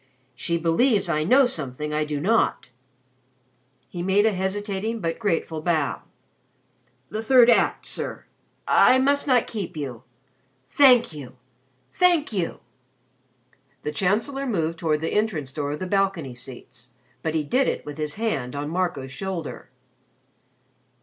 "She believes I know something I do not." He made a hesitating but grateful bow. "The third act, sir I must not keep you. Thank you! Thank you!" The Chancellor moved toward the entrance door of the balcony seats, but he did it with his hand on Marco's shoulder.